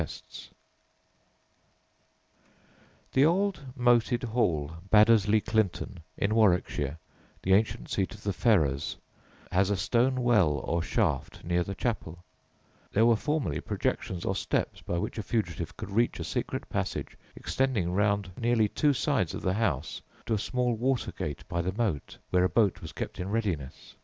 [Illustration: PAXHILL, SUSSEX] [Illustration: CLEEVE PRIOR MANOR HOUSE, WORCESTERSHIRE] The old moated hall Baddesley Clinton, in Warwickshire, the ancient seat of the Ferrers, has a stone well or shaft near "the chapel." There were formerly projections or steps by which a fugitive could reach a secret passage extending round nearly two sides of the house to a small water gate by the moat, where a boat was kept in readiness.